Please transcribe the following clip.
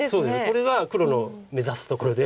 これが黒の目指すところで。